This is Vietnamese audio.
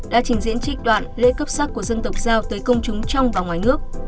đã trình diễn trích đoạn lễ cấp sắc của dân tộc giao tới công chúng trong và ngoài nước